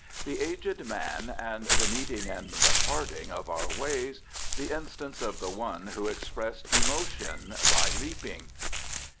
The aged man and the meeting and the parting of our ways. The instance of the one who expressed emotion by leaping.